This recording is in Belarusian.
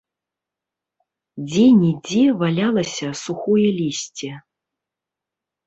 Дзе-нідзе валялася сухое лісце.